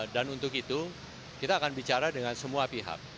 dan untuk itu kita akan bicara dengan semua pihak